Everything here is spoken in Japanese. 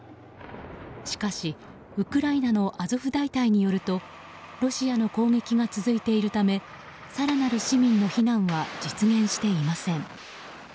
しかしウクライナのアゾフ大隊によるとロシアの攻撃が続いているため更なる市民の避難は実現していません。